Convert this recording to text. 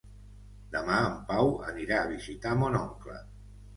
Demà en Pau anirà a visitar mon oncle.